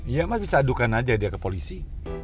iya mas bisa adukan aja dia ke polisi